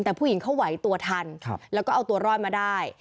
แต่ผู้หญิงเขาไหวตัวทันแล้วก็เอาตัวรอดมาได้